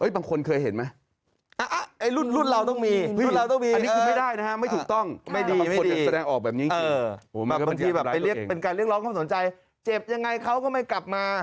เป็นการเรียกร้องความสนใจเจ็บยังไงเค้าก็ไม่กลับมา